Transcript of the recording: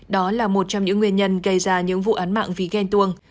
đó là một trong những nguyên nhân gây ra những vụ án mạng ví ghen tuông